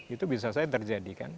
itu bisa saya terjadikan